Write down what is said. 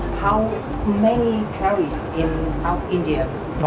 berapa banyak kari di tengah india